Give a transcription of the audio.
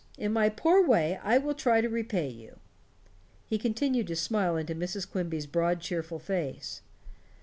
In my poor way I shall try to repay you." He continued to smile into Mrs. Quimby's broad cheerful face.